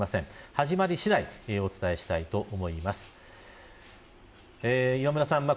始まり次第お伝えしたいと思います。